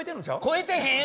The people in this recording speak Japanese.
越えてへん！